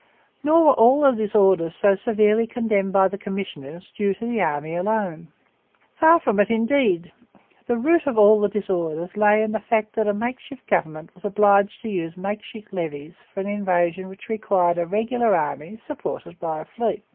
Nor were 'all the disorders' so severely condemned by the commissioners due to the army alone. Far from it, indeed. The root of 'all the disorders' lay in the fact that a makeshift government was obliged to use makeshift levies for an invasion which required a regular army supported by a fleet.